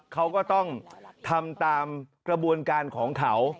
เขาก็ต้องทำตามกระบวนการของเขา